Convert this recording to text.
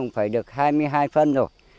phải được hai mươi hai phân rồi